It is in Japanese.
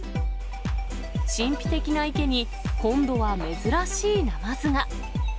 神秘的な池に今度は珍しいナマズが。